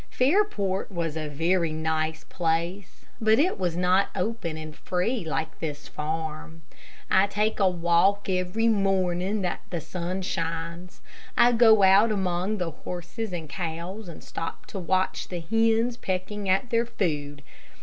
Fairport was a very nice place, but it was not open and free like this farm. I take a walk every morning that the sun shines. I go out among the horses and cows, and stop to watch the hens pecking at their food.